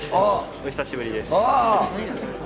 お久しぶりです。